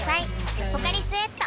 「ポカリスエット」